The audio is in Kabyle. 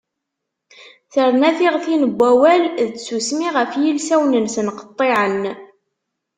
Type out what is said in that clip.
Terna tiɣtin n wawal d tsusmi ɣef yilsawen-nsen qeṭṭiɛen.